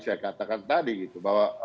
saya katakan tadi gitu bahwa